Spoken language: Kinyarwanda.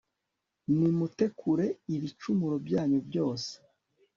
Nimute kure ibicumuro byanyu byose